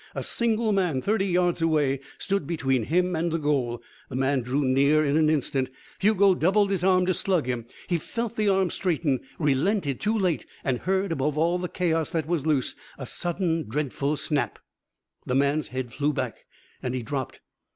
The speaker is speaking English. A single man, thirty yards away, stood between him and the goal. The man drew near in an instant. Hugo doubled his arm to slug him. He felt the arm straighten, relented too late, and heard, above the chaos that was loose, a sudden, dreadful snap. The man's head flew back and he dropped.